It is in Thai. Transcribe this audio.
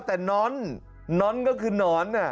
แต่น้อนน้อนก็คือหนอน